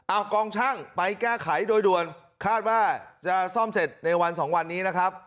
เอากองช่างไปแก้ไขโดยด่วนคาดว่าจะซ่อมเสร็จในวันสองวันนี้นะครับ